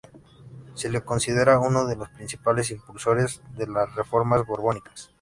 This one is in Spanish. Se le considera uno de los principales impulsores de las reformas borbónicas.